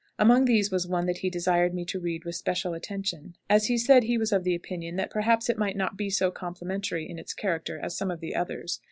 Among these was one that he desired me to read with special attention, as he said he was of the opinion that perhaps it might not be so complimentary in its character as some of the others.